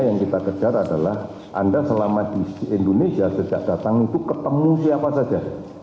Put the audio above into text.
yang kita kejar adalah anda selama di indonesia sejak datang itu ketemu siapa saja